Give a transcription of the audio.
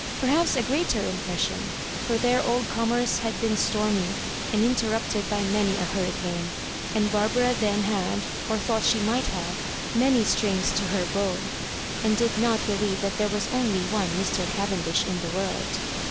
Perhaps a greater impression; for their old conmierce had been stormy, and interrupted by many a hurricane; and Barbara then had, or thought she might have, many strings to her bow, and did not believe that there was only one Mr. Cavendish in the world.